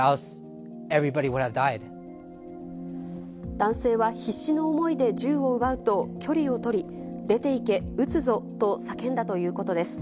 男性は必死の思いで銃を奪うと距離を取り、出ていけ、撃つぞと叫んだということです。